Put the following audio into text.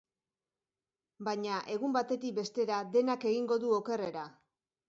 Baina, egun batetik bestera denak egingo du okerrera.